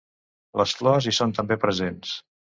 Les flors hi són també presents.